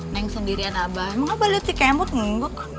neng sendirian abah emang abah liat si kemut ngumbuk